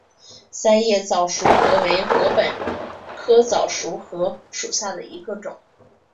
三叶早熟禾为禾本科早熟禾属下的一个种。